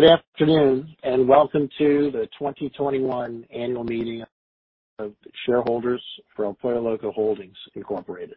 Good afternoon, welcome to the 2021 annual meeting of shareholders for El Pollo Loco Holdings, Incorporated.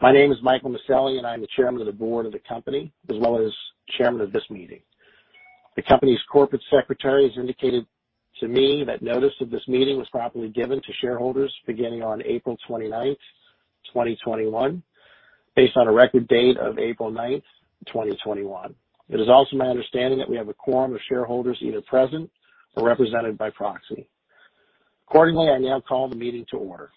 My name is Michael Maselli, and I'm the Chairman of the Board of the company, as well as Chairman of this meeting. The company's Corporate Secretary has indicated to me that notice of this meeting was properly given to shareholders beginning on April 29th, 2021, based on a record date of April 9th, 2021. It is also my understanding that we have a quorum of shareholders either present or represented by proxy. I now call the meeting to order.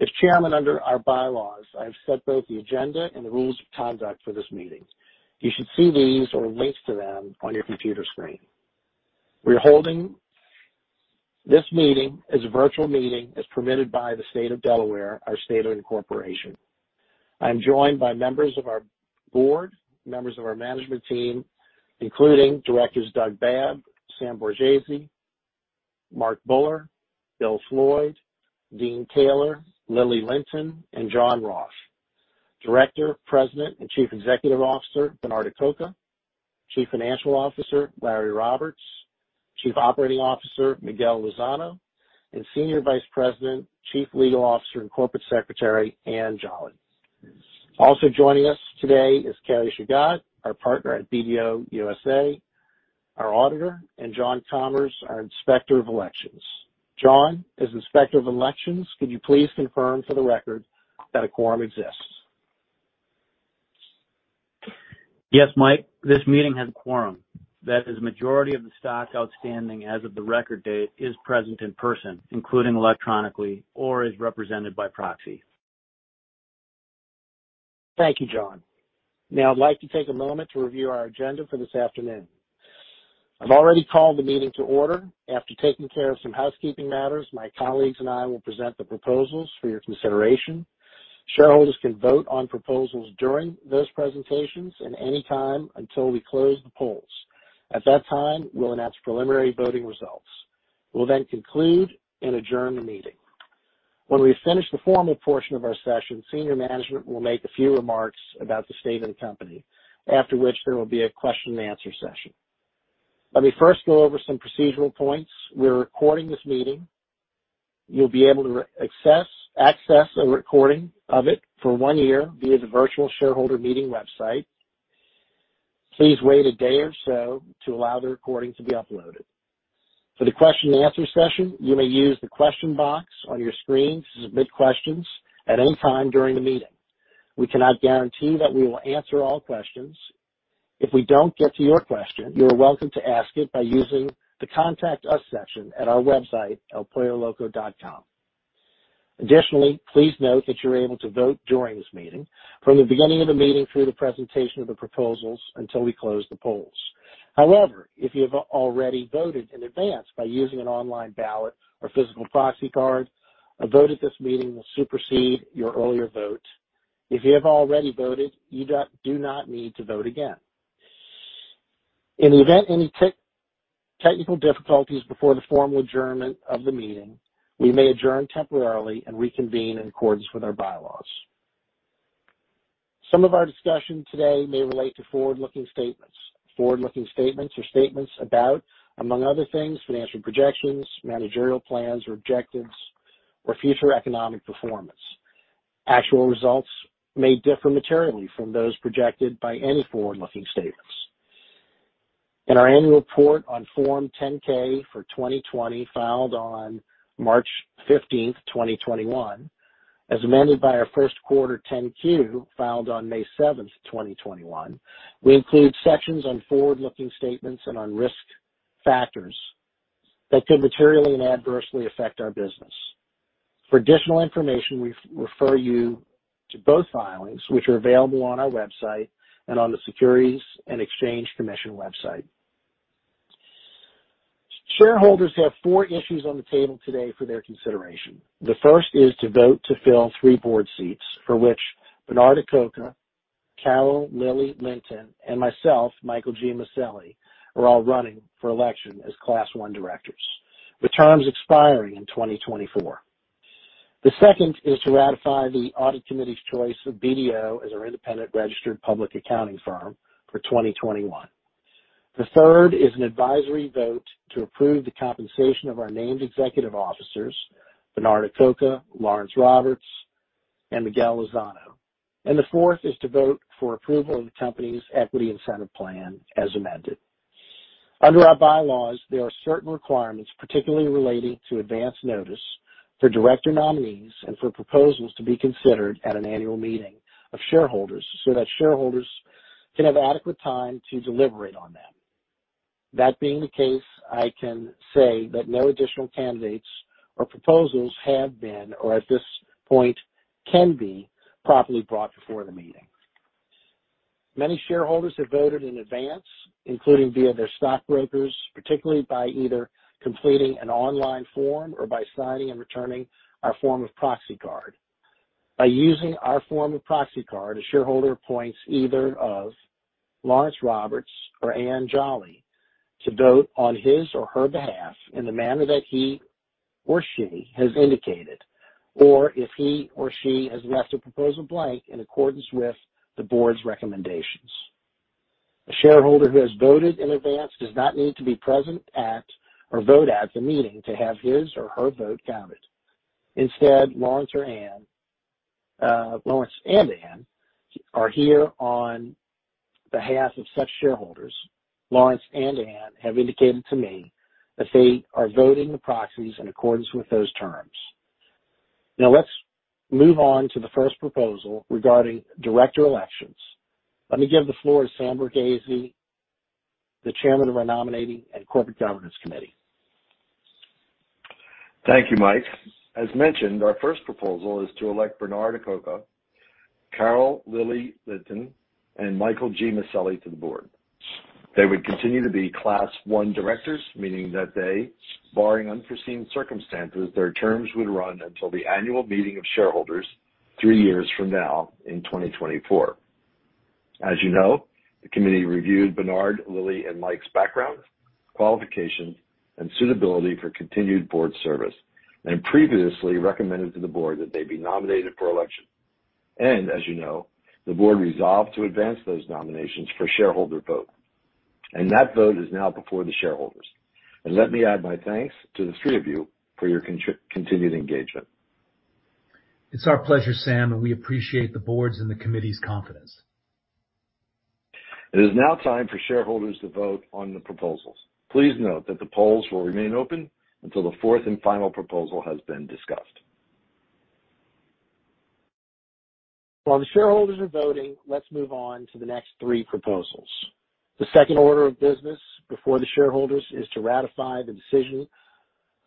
As Chairman under our bylaws, I have set both the agenda and the rules of conduct for this meeting. You should see these or links to them on your computer screen. We are holding this meeting as a virtual meeting as permitted by the State of Delaware, our state of incorporation. I am joined by members of our Board, members of our management team, including Directors Doug Babb, Sam Borgese, Mark Buller, Bill Floyd, Dean Kehler, Carol Lynton, and John M. Roth. Director, President, and Chief Executive Officer, Bernard Acoca, Chief Financial Officer, Laurance Roberts, Chief Operating Officer, Miguel Lozano, and Senior Vice President, Chief Legal Officer, and Corporate Secretary, Ann Yeung. Also joining us today is Carrie Shagat, our Partner at BDO USA, our auditor, and John Thomas, our Inspector of Elections. John, as Inspector of Elections, could you please confirm for the record that a quorum exists? Yes, Mike, this meeting has a quorum. That is, the majority of the stock outstanding as of the record date is present in person, including electronically or as represented by proxy. Thank you, John. Now, I'd like to take a moment to review our agenda for this afternoon. I've already called the meeting to order. After taking care of some housekeeping matters, my colleagues and I will present the proposals for your consideration. Shareholders can vote on proposals during those presentations and any time until we close the polls. At that time, we'll announce preliminary voting results. We'll then conclude and adjourn the meeting. When we finish the formal portion of our session, senior management will make a few remarks about the state of the company, after which there will be a question and answer session. Let me first go over some procedural points. We're recording this meeting. You'll be able to access a recording of it for one year via the virtual shareholder meeting website. Please wait a day or so to allow the recording to be uploaded. For the question and answer session, you may use the question box on your screen to submit questions at any time during the meeting. We cannot guarantee that we will answer all questions. If we don't get to your question, you are welcome to ask it by using the Contact Us section at our website, elpolloloco.com. Additionally, please note that you're able to vote during this meeting from the beginning of the meeting through the presentation of the proposals until we close the polls. However, if you have already voted in advance by using an online ballot or physical proxy card, a vote at this meeting will supersede your earlier vote. If you have already voted, you do not need to vote again. In the event any technical difficulties before the formal adjournment of the meeting, we may adjourn temporarily and reconvene in accordance with our bylaws. Some of our discussion today may relate to forward-looking statements. Forward-looking statements are statements about, among other things, financial projections, managerial plans or objectives, or future economic performance. Actual results may differ materially from those projected by any forward-looking statements. In our Annual Report on Form 10-K for 2020, filed on March 15th, 2021, as amended by our first quarter 10-Q, filed on May 7th, 2021, we include sections on forward-looking statements and on risk factors that could materially and adversely affect our business. For additional information, we refer you to both filings, which are available on our website and on the Securities and Exchange Commission website. Shareholders have four issues on the table today for their consideration. The first is to vote to fill three Board seats for which Bernard Acoca, Carol Lynton, and myself, Michael G. Michael G. Maselli, are all running for election as Class I Directors, with terms expiring in 2024. The second is to ratify the Audit Committee's choice of BDO as our independent registered public accounting firm for 2021. The third is an advisory vote to approve the compensation of our named executive officers, Bernard Acoca, Laurance Roberts, and Miguel Lozano. The fourth is to vote for approval of the company's Equity Incentive Plan as amended. Under our bylaws, there are certain requirements, particularly relating to advance notice for Director nominees and for proposals to be considered at an annual meeting of shareholders so that shareholders can have adequate time to deliberate on them. That being the case, I can say that no additional candidates or proposals have been, or at this point can be properly brought before the meeting. Many shareholders have voted in advance, including via their stockbrokers, particularly by either completing an online form or by signing and returning our form of proxy card. By using our form of proxy card, a shareholder appoints either of Laurance Roberts or Ann Yeung to vote on his or her behalf in the manner that he or she has indicated, or if he or she has left the proposal blank in accordance with the Board's recommendations. A shareholder who has voted in advance does not need to be present at or vote at the meeting to have his or her vote counted. Instead, Laurance and Ann are here on behalf of such shareholders. Laurance and Ann have indicated to me that they are voting the proxies in accordance with those terms. Now, let's move on to the first proposal regarding director elections. Let me give the floor to Samuel N. Borgese, the Chairman of our Nominating and Corporate Governance Committee. Thank you, Mike. As mentioned, our first proposal is to elect Bernard Acoca, Carol Lynton, and Michael G. Maselli to the Board. They would continue to be Class I Directors, meaning that they, barring unforeseen circumstances, their terms would run until the annual meeting of shareholders three years from now in 2024. As you know, the Committee reviewed Bernard, Carol, and Mike's background, qualifications, and suitability for continued Board service, and previously recommended to the Board that they be nominated for election. As you know, the Board resolved to advance those nominations for shareholder vote. That vote is now before the shareholders. Let me add my thanks to the three of you for your continued engagement. It's our pleasure, Sam, and we appreciate the Board's and the Committee's confidence. It is now time for shareholders to vote on the proposals. Please note that the polls will remain open until the fourth and final proposal has been discussed. While the shareholders are voting, let's move on to the next three proposals. The second order of business before the shareholders is to ratify the decision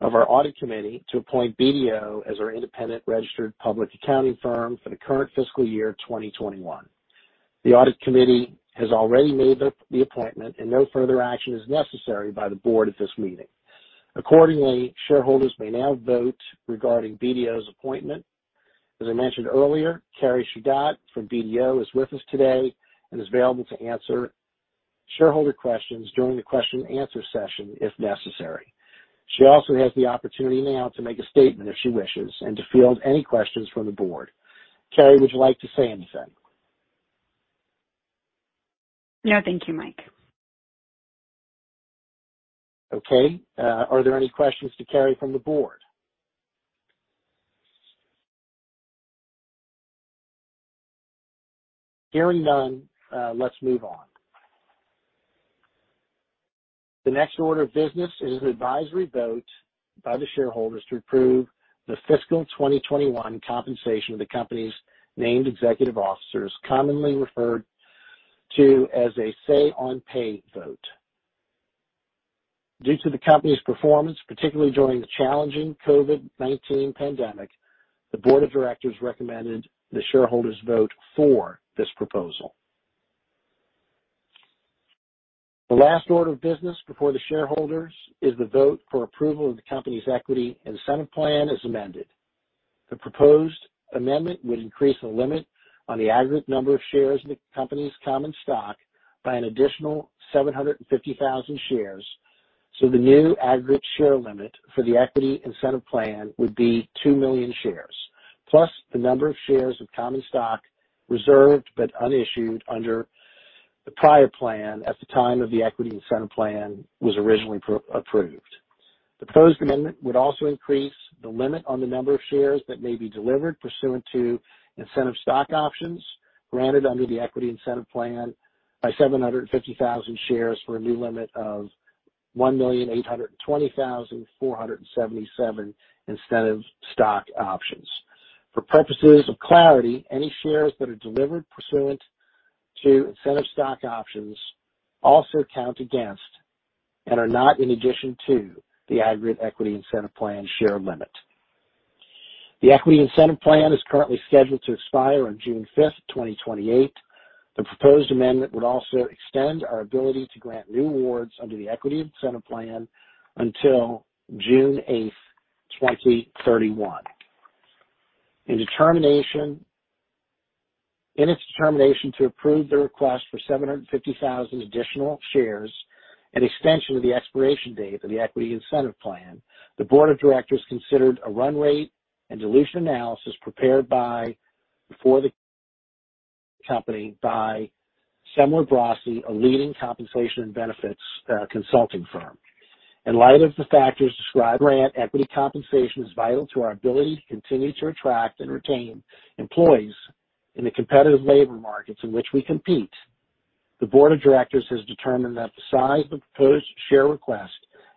of our Audit Committee to appoint BDO as our independent registered public accounting firm for the current fiscal year 2021. The Audit Committee has already made the appointment, and no further action is necessary by the Board at this meeting. Accordingly, shareholders may now vote regarding BDO's appointment. As I mentioned earlier, Carrie Shagat from BDO is with us today and is available to answer shareholder questions during the question and answer session if necessary. She also has the opportunity now to make a statement if she wishes, and to field any questions from the Board. Carrie, would you like to say anything? No, thank you, Mike. Okay. Are there any questions to Carrie from the Board? Hearing none, let's move on. The next order of business is an advisory vote by the shareholders to approve the fiscal 2021 compensation of the company's named executive officers, commonly referred to as a Say on Pay vote. Due to the company's performance, particularly during the challenging COVID-19 pandemic, the Board of Directors recommended the shareholders vote for this proposal. The last order of business before the shareholders is the vote for approval of the company's Equity Incentive Plan as amended. The proposed amendment would increase the limit on the aggregate number of shares of the company's common stock by an additional 750,000 shares. The new aggregate share limit for the Equity Incentive Plan would be 2 million shares, plus the number of shares of common stock reserved but unissued under the prior plan at the time that the Equity Incentive Plan was originally approved. The proposed amendment would also increase the limit on the number of shares that may be delivered pursuant to incentive stock options granted under the Equity Incentive Plan by 750,000 shares for a new limit of 1,820,477 incentive stock options. For purposes of clarity, any shares that are delivered pursuant to incentive stock options also count against, and are not in addition to, the aggregate Equity Incentive Plan share limit. The Equity Incentive Plan is currently scheduled to expire on June 5th, 2028. The proposed amendment would also extend our ability to grant new awards under the Equity Incentive Plan until June 8th, 2031. In its determination to approve the request for 750,000 additional shares and extension of the expiration date of the Equity Incentive Plan, the Board of Directors considered a run-rate and dilution analysis prepared by, before the company by Semler Brossy, a leading compensation and benefits consulting firm. In light of the factors described, equity compensation is vital to our ability to continue to attract and retain employees in the competitive labor markets in which we compete. The Board of Directors has determined that the size of the proposed share request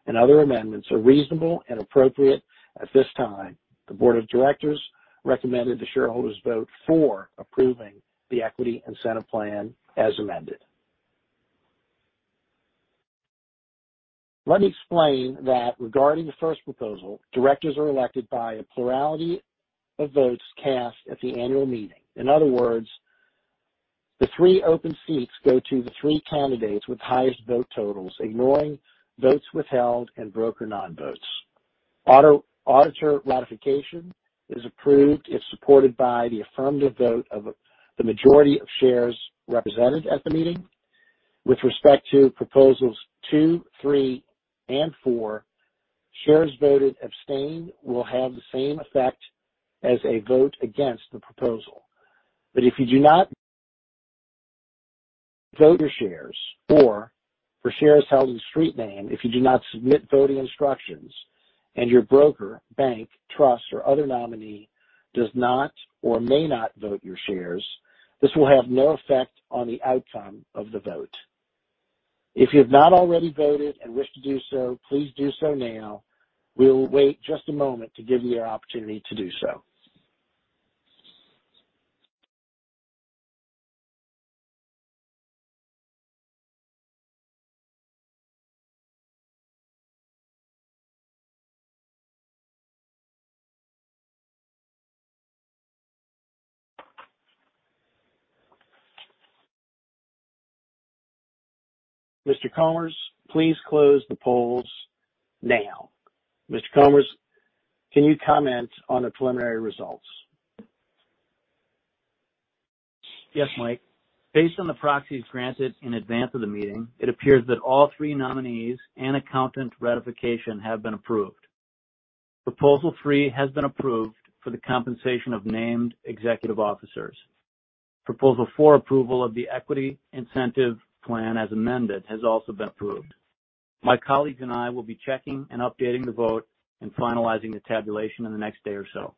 and other amendments are reasonable and appropriate at this time. The Board of Directors recommended the shareholders vote for approving the Equity Incentive Plan as amended. Let me explain that regarding the first proposal, Directors are elected by a plurality of votes cast at the annual meeting. In other words, the three open seats go to the three candidates with highest vote totals, ignoring votes withheld and broker non-votes. Auditor ratification is approved if supported by the affirmative vote of the majority of shares represented at the meeting. With respect to proposals two, three, and four, shares voted abstain will have the same effect as a vote against the proposal. If you do not vote your shares, or for shares held in street name, if you do not submit voting instructions and your broker, bank, trust, or other nominee does not or may not vote your shares, this will have no effect on the outcome of the vote. If you have not already voted and wish to do so, please do so now. We will wait just a moment to give you the opportunity to do so. Mr. Thomas, please close the polls now. Mr. Thomas, can you comment on the preliminary results? Yes, Mike. Based on the proxies granted in advance of the meeting, it appears that all three nominees and accountant ratification have been approved. Proposal three has been approved for the compensation of named executive officers. Proposal four approval of the Equity Incentive Plan as amended, has also been approved. My colleagues and I will be checking and updating the vote and finalizing the tabulation in the next day or so.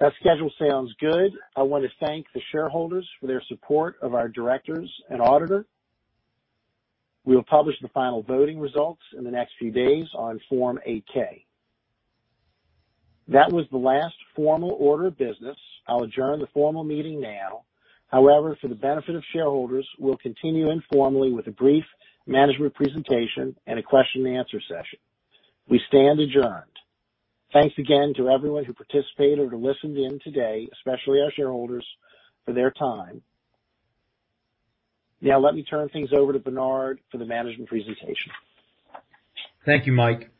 That schedule sounds good. I want to thank the shareholders for their support of our directors and auditor. We will publish the final voting results in the next few days on Form 8-K. That was the last formal order of business. I'll adjourn the formal meeting now. However, for the benefit of shareholders, we'll continue informally with a brief management presentation and a question and answer session. We stand adjourned. Thanks again to everyone who participated or listened in today, especially our shareholders, for their time. Now let me turn things over to Bernard for the management presentation. Thank you, Mike.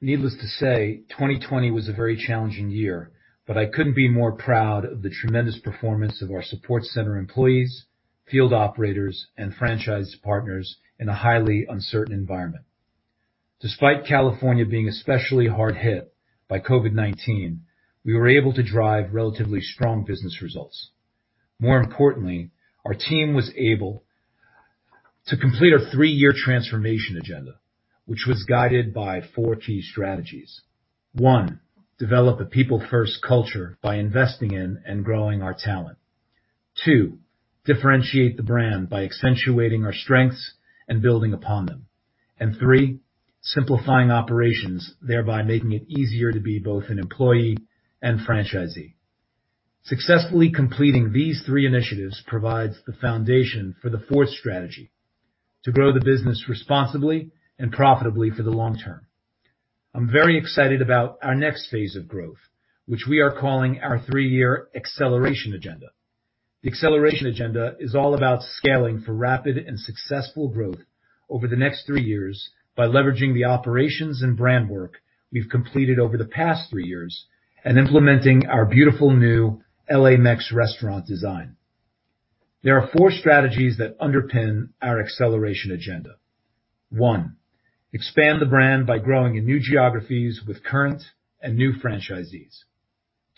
Needless to say, 2020 was a very challenging year, but I couldn't be more proud of the tremendous performance of our support center employees, field operators, and franchise partners in a highly uncertain environment. Despite California being especially hard hit by COVID-19, we were able to drive relatively strong business results. More importantly, our team was able to complete a three-year transformation agenda, which was guided by four key strategies. One, develop a people-first culture by investing in and growing our talent. Two, differentiate the brand by accentuating our strengths and building upon them. And three, simplifying operations, thereby making it easier to be both an employee and franchisee. Successfully completing these three initiatives provides the foundation for the fourth strategy to grow the business responsibly and profitably for the long term. I'm very excited about our next phase of growth, which we are calling our three-year acceleration agenda. The acceleration agenda is all about scaling for rapid and successful growth over the next three years by leveraging the operations and brand work we've completed over the past three years and implementing our beautiful new LA Mex restaurant design. There are four strategies that underpin our acceleration agenda. One, expand the brand by growing in new geographies with current and new franchisees.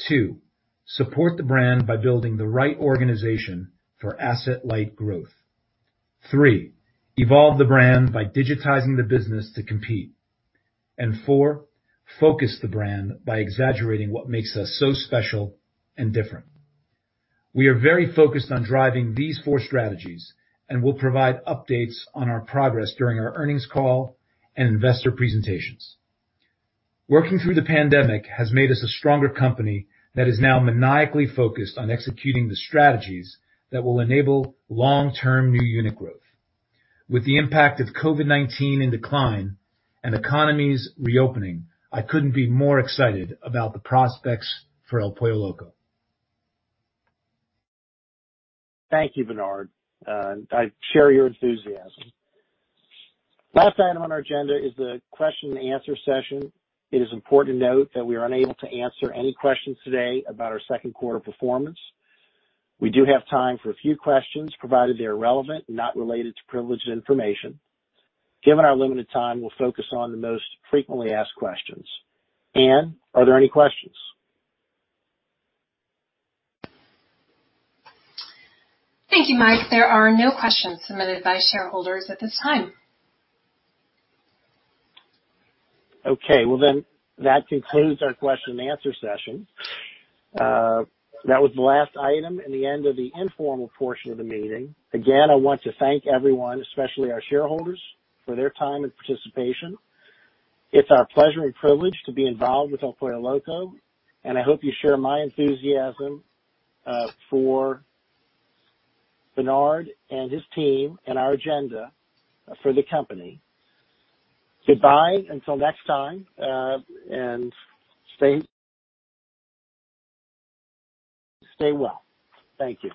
Two, support the brand by building the right organization for asset-light growth. Three, evolve the brand by digitizing the business to compete. Four, focus the brand by exaggerating what makes us so special and different. We are very focused on driving these four strategies, and we'll provide updates on our progress during our earnings call and investor presentations. Working through the pandemic has made us a stronger company that is now maniacally focused on executing the strategies that will enable long-term new unit growth. With the impact of COVID-19 in decline and economies reopening, I couldn't be more excited about the prospects for El Pollo Loco. Thank you, Bernard. I share your enthusiasm. Last item on our agenda is the question and answer session. It is important to note that we are unable to answer any questions today about our second quarter performance. We do have time for a few questions provided they are relevant and not related to privileged information. Given our limited time, we'll focus on the most frequently asked questions. Ann, are there any questions? Thank you, Mike. There are no questions submitted by shareholders at this time. Okay. Well, that concludes our question and answer session. That was the last item and the end of the informal portion of the meeting. Again, I want to thank everyone, especially our shareholders for their time and participation. It's our pleasure and privilege to be involved with El Pollo Loco. I hope you share my enthusiasm for Bernard and his team and our agenda for the company. Goodbye until next time. Stay well. Thank you